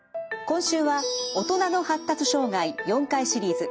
今週は「大人の発達障害」４回シリーズ。